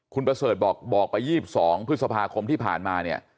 คุณประเสริฐบอกบอกไป๒๒พฤษภาคมที่ผ่านมาเนี่ย